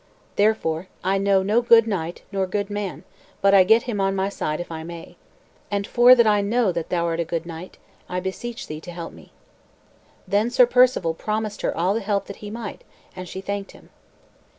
Therefore I know no good knight nor good man, but I get him on my side if I may. And for that I know that thou art a good knight, I beseech thee to help me." Then Sir Perceval promised her all the help that he might, and she thanked him.